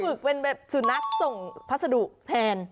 เหมือนเหมือนศูนย์ส่งพัสดุแทน